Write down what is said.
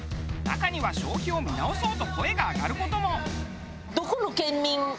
中には消費を見直そうと声が上がる事も。